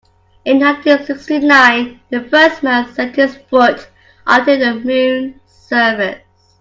In nineteen-sixty-nine the first man set his foot onto the moon's surface.